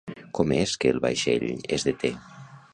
Com és que el vaixell es deté?